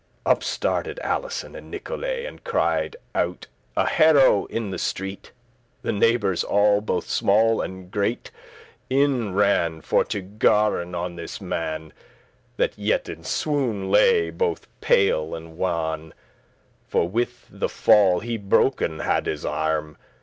Up started Alison and Nicholay, And cried out an "harow!" <15> in the street. The neighbours alle, bothe small and great In ranne, for to gauren* on this man, *stare That yet in swoone lay, both pale and wan: For with the fall he broken had his arm.